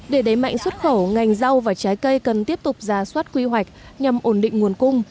để đẩy mạnh xuất khẩu ngành rau và trái cây cần tiếp tục ra soát quy hoạch nhằm ổn định nguồn cung